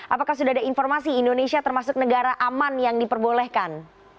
apakah sudah ada informasi indonesia termasuk negara aman yang diperbolehkan